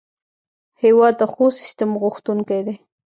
هېواد د ښو سیسټم غوښتونکی دی.